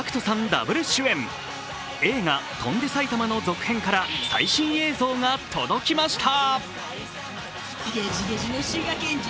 ダブル主演、映画「翔んで埼玉」の続編から最新映像が届きました。